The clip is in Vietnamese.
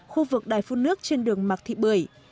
khu vực đài phun nước trên đường mạc thị bưởi